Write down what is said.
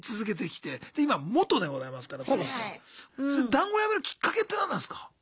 談合やめるきっかけって何なんすか？